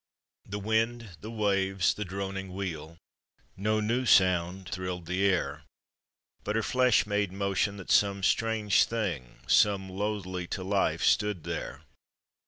The wind, the waves, the droning wheel, — No new sound thrilled the air, But her flesh made motion that some strange thing, Some loathly to life, stood there.